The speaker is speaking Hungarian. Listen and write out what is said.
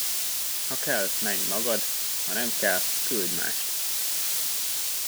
Ha kell, menj magad, ha nem kell, küldj mást.